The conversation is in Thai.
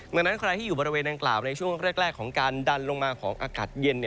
ดังนั้นใครที่อยู่บริเวณดังกล่าวในช่วงแรกของการดันลงมาของอากาศเย็น